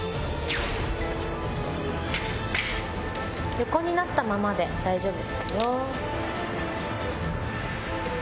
横になったままで大丈夫ですよ。